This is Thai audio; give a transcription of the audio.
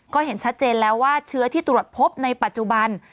ก็เห็นชัดเจนแล้วว่าเชื้อที่ตรวจพบในปัจจุบัน